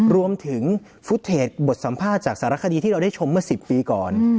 รวมถึงฟุตเทจบทสัมภาษณ์จากสารคดีที่เราได้ชมเมื่อ๑๐ปีก่อน